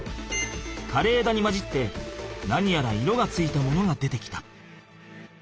かれえだに交じって何やら色がついたものが出てきた。